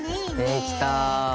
できた！